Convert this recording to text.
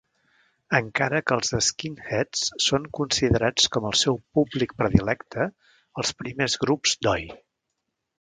Encara que els skinheads són considerats com el seu públic predilecte, els primers grups d'Oi!